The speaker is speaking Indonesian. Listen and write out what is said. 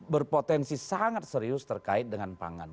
berpotensi sangat serius terkait dengan pangan